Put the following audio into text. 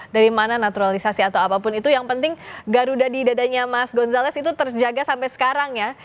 dari mana naturalisasi atau apapun itu yang penting garuda di dadanya mas gonzalez itu terjaga sampai sekarang ya